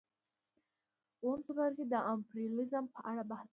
اووم څپرکی د امپریالیزم په اړه بحث کوي